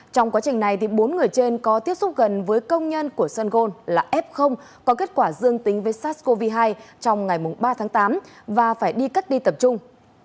trong quá trình này bốn người trên có tiếp xúc gần với công nhân của sân gôn là f có kết quả dương tính với sars cov hai trong ngày ba tháng tám và phải đi cách ly tập trung